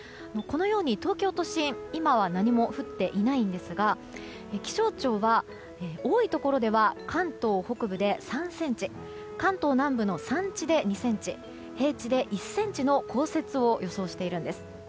このように東京都心今は何も降っていないんですが気象庁は多いところでは関東北部で３ｃｍ関東南部の山地で２ｃｍ平地で１ｃｍの降雪を予想しているんです。